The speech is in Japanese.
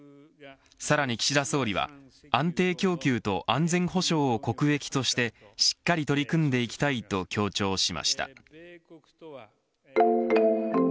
さらに岸田総理は安定供給と安全保障を国益としてしっかり取り組んでいきたいと強調しました。